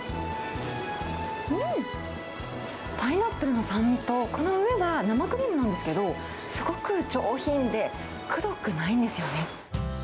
うん、パイナップルの酸味とこの上が生クリームなんですけど、すごく上品で、くどくないんですよね。